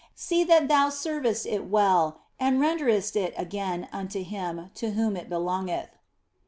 See that thou servest it well and renderest it again unto Him to whom it belongeth."